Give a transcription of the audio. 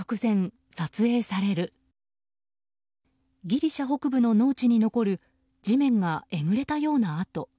ギリシャ北部の農地に残る地面がえぐれたような跡。